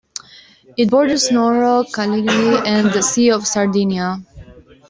It borders Nuoro, Cagliari and the Sea of Sardinia.